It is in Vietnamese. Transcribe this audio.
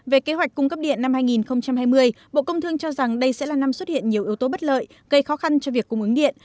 về kế hoạch cung cấp điện năm hai nghìn hai mươi bộ công thương cho rằng đây sẽ là năm xuất hiện nhiều yếu tố bất lợi gây khó khăn cho việc cung ứng điện